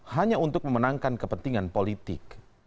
hanya untuk memenangkan kepentingan politik